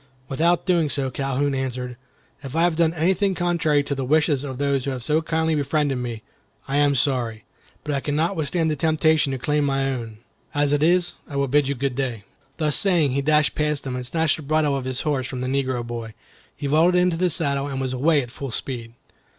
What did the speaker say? Without doing so, Calhoun answered, "If I have done anything contrary to the wishes of those who have so kindly befriended me, I am sorry; but I could not withstand the temptation to claim my own. As it is, I will bid you good day." Thus saying, he dashed past them, and snatching the bridle of his horse from the negro boy, he vaulted into the saddle and was away at full speed.